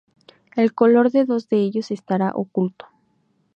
El color de dos de ellos estará oculto.